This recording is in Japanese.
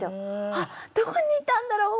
あっどこにいたんだろう